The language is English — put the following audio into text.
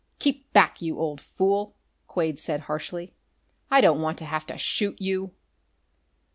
"Keep back, you old fool!" Quade said harshly. "I don't want to have to shoot you!"